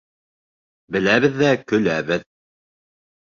Беләбеҙ ҙә көләбеҙ.